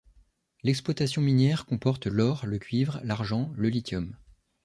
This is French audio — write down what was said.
L'exploitation minière comporte l'or, le cuivre, l'argent, le lithium.